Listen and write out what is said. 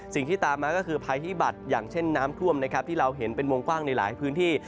สิ่งที่ตามมาก็คือภัยพิบัตรอย่างเช่นน้ำท่วมนะครับที่เราเห็นเป็นวงกว้างในหลายพื้นที่